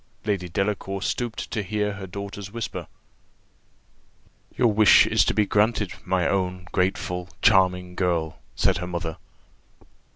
Lady Delacour stooped to hear her daughter's whisper. "Your wish is granted, my own grateful, charming girl," said her mother.